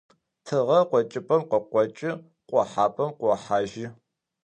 Тыгъэр къокӀыпӀэм къыкъокӀы къохьапӀэм къохьажьы.